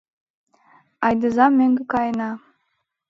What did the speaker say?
— Айдыза мӧҥгӧ каена...